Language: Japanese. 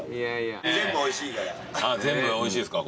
全部おいしいですか？